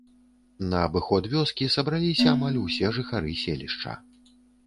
На абыход вёскі сабраліся амаль усе жыхары селішча.